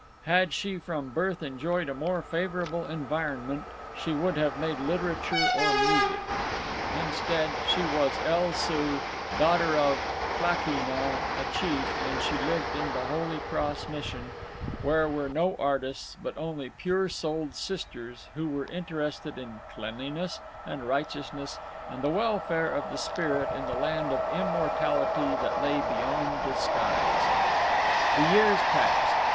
Had she from birth enjoyed a more favourable environment, she would have made literature or music. Instead, she was El Soo, daughter of Klakee Nah, a chief, and she lived in the Holy Cross Mission where were no artists, but only pure souled Sisters who were interested in cleanliness and righteousness and the welfare of the spirit in the land of immortality that lay beyond the skies. The years passed.